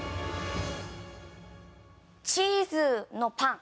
チーズのパン。